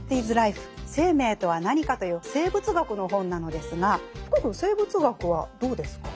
生命とは何か」という生物学の本なのですが福くん生物学はどうですか？